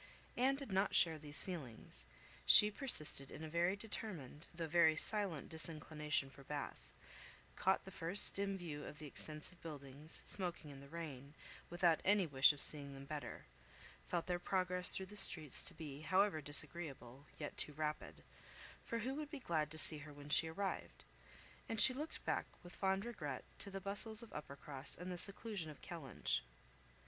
Anne did not share these feelings. She persisted in a very determined, though very silent disinclination for Bath; caught the first dim view of the extensive buildings, smoking in rain, without any wish of seeing them better; felt their progress through the streets to be, however disagreeable, yet too rapid; for who would be glad to see her when she arrived? And looked back, with fond regret, to the bustles of Uppercross and the seclusion of Kellynch.